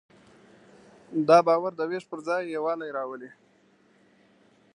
دا باور د وېش پر ځای یووالی راولي.